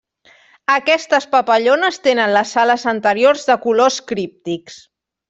Aquestes papallones tenen les ales anteriors de colors críptics.